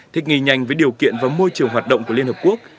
thích nghi nhanh với điều kiện và môi trường hoạt động của liên hợp quốc